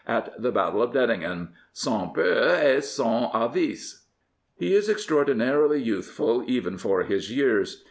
at the Battle of Dettingen, sans peur et sans avis. He is extraordinarily youthful even for his years.